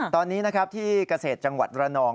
ตอนนี้นะครับที่เกษตรจังหวัดระนอง